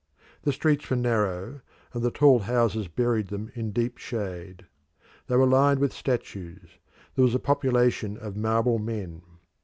The streets were narrow, and the tall houses buried them in deep shade. They were lined with statues; there was a population of marble men.